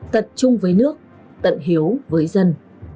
tận chung với nước tận hiếu với dân